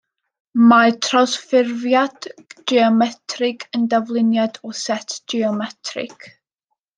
Mae trawsffurfiad geometrig yn dafluniad o set geometrig.